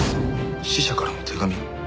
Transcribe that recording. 死者からの手紙。